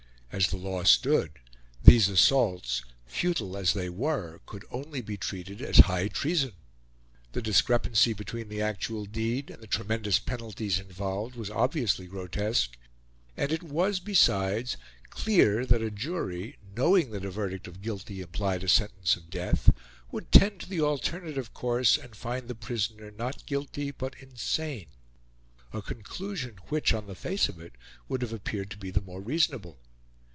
As the law stood, these assaults, futile as they were, could only be treated as high treason; the discrepancy between the actual deed and the tremendous penalties involved was obviously grotesque; and it was, besides, clear that a jury, knowing that a verdict of guilty implied a sentence of death, would tend to the alternative course, and find the prisoner not guilty but insane a conclusion which, on the face of it, would have appeared to be the more reasonable.